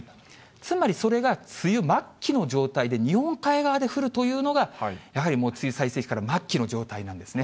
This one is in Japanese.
つまり、それが梅雨末期の状態で、日本海側で降るというのが、やはりもう、梅雨最盛期から末期の状態なんですね。